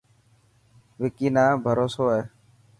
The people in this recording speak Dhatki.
وڪي نا بهروسو هي.